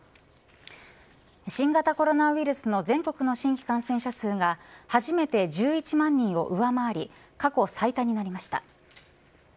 新型コロナウイルスの全国の新規感染者数が初めて１１万人を上回り過去最多になりました。